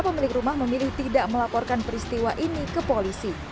pemilik rumah memilih tidak melaporkan peristiwa ini ke polisi